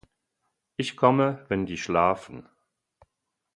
Ich komme, wenn die schlafen.